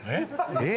えっ？